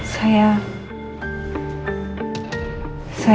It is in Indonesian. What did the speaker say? jadi aku malah armed